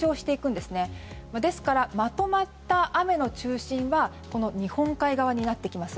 ですから、まとまった雨の中心が日本海側になってきます。